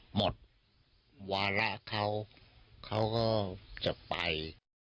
หมดวาระเขาเขาก็จะไป